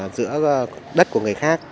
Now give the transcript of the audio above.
giữa đất của người khác